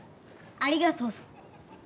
ありがとうぞ。